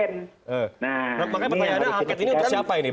nah ini ada akangket ini untuk siapa ini pak ferry